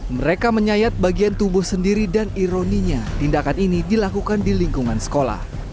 mereka menyayat bagian tubuh sendiri dan ironinya tindakan ini dilakukan di lingkungan sekolah